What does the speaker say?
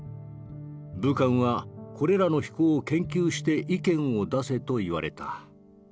武官はこれらの飛行を研究して意見を出せと言われた」。